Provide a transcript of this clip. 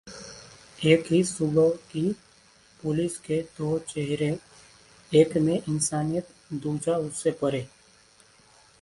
एक ही सूबे की पुलिस के दो चेहरे, एक में इंसानियत, दूजा उससे परे